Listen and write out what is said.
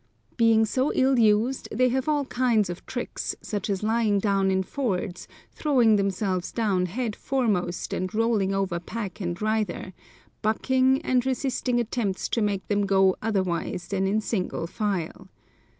Being so ill used they have all kinds of tricks, such as lying down in fords, throwing themselves down head foremost and rolling over pack and rider, bucking, and resisting attempts to make them go otherwise than in single file.